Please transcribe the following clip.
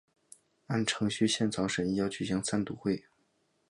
按程序宪草审议要举行三读会。